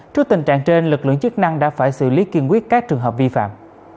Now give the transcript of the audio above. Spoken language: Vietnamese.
trước tình trạng trên lực lượng chức năng đã phải xử lý kiên quyết các trường hợp vi phạm